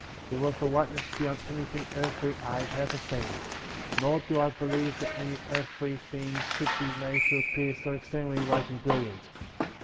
It was a whiteness beyond anything earthly I had ever seen; nor do I believe that any earthly thing could be made to appear so exceed ingly white and brilliant.